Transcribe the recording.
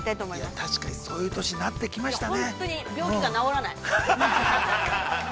◆確かにそういう年になってきましたよね。